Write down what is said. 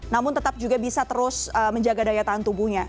namun tetap juga bisa terus menjaga daya tahan tubuhnya